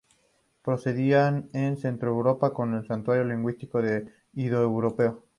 Procedían de Centroeuropa con el sustrato lingüístico del indoeuropeo.